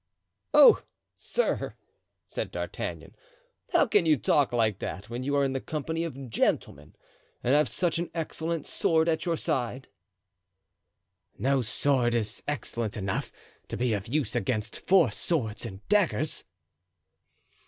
"Oh! sir," said D'Artagnan, "how can you talk like that when you are in the company of gentlemen and have such an excellent sword at your side?" "No sword is excellent enough to be of use against four swords and daggers."